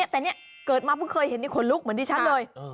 แต่เนี่ยเกิดมาเพิ่งเคยเห็นนี่ขนลุกเหมือนดิฉันเลย